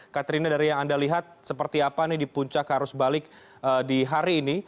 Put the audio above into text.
katrina dari yang anda lihat seperti apa nih di puncak arus balik di hari ini